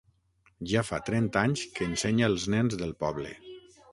Ja fa trenta anys que ensenya els nens del poble.